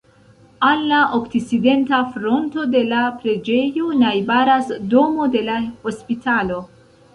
Al la okcidenta fronto de la preĝejo najbaras domo de la hospitalo.